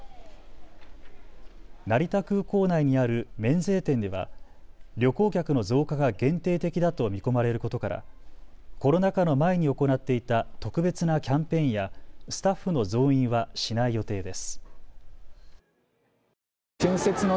成田空港内にある免税店では旅行客の増加が限定的だと見込まれることからコロナ禍の前に行っていた特別なキャンペーンやスタッフの増員はしない予定です。